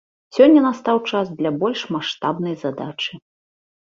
Сёння настаў час для больш маштабнай задачы.